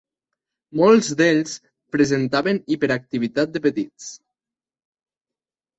Molts d'ells presentaven hiperactivitat de petits.